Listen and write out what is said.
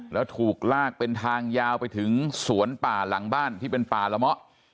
แล้วถูกลากเป็นทางยาวไปถึงสวนป่าหลังบ้านที่เป็นป่าละเมาะ